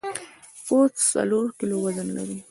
پوست څلور کیلو وزن لري.